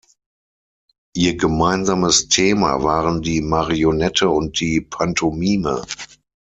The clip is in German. Ihr gemeinsames Thema waren die Marionette und die Pantomime.